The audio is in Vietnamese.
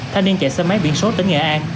thanh niên chạy xe máy biển sốt đến nghệ an